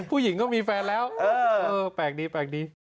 ผู้หญิงก็มีแฟนแล้วแปลกดี